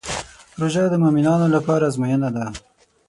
روژه د مؤمنانو لپاره ازموینه ده.